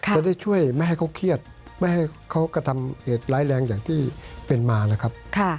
จะได้ช่วยไม่ให้เขาเครียดไม่ให้เขากระทำเหตุร้ายแรงอย่างที่เป็นมานะครับ